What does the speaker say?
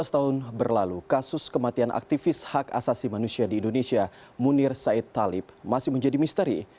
dua belas tahun berlalu kasus kematian aktivis hak asasi manusia di indonesia munir said talib masih menjadi misteri